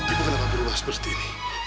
ibu kenapa berubah seperti ini